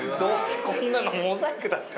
こんなのモザイクだって。